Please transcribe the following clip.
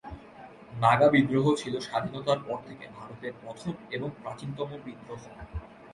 নাগা বিদ্রোহ ছিল স্বাধীনতার পর থেকে ভারতের প্রথম এবং প্রাচীনতম বিদ্রোহ।